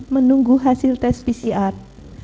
menunggu hasil tes pcr